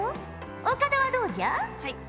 岡田はどうじゃ？